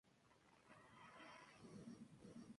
Realizaban giras por el interior santafesino.